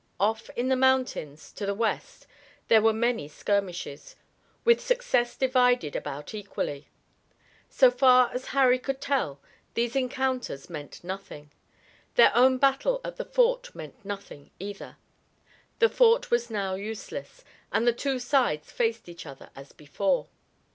Off in the mountains to the west there were many skirmishes, with success divided about equally. So far as Harry could tell, these encounters meant nothing. Their own battle at the fort meant nothing, either. The fort was now useless, and the two sides faced each other as before.